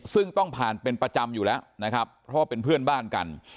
ซึ่งต้องผ่านเป็นประจำอยู่แล้วนะครับเพราะว่าเป็นเพื่อนบ้านกัน